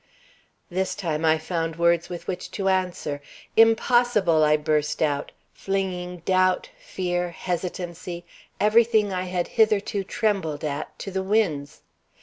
This time I found words with which to answer. "Impossible!" I burst out, flinging doubt, fear, hesitancy, everything I had hitherto trembled at to the winds.